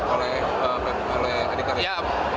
oleh adik karya